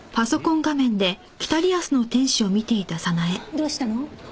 どうしたの？